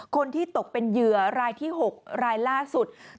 คนที่ตกเป็นเหยื่อรายที่๖รายล่าสุด